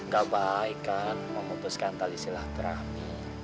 gak baik kan memutuskan tali silah terakhir